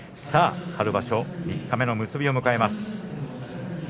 春場所三日目の結びを迎えます。